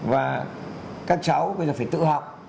và các cháu bây giờ phải tự học